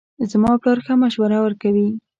زما پلار ښه مشوره ورکوي